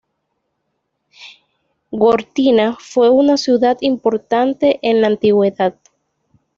Gortina fue una ciudad importante en la Antigüedad.